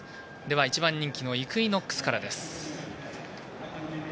１番人気のイクイノックスからです。